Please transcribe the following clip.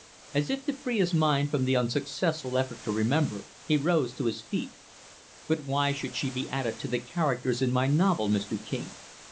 As if to free his mind from the unsuccessful effort to remember, he rose to his feet. "But why should she be added to the characters in my novel, Mr. King?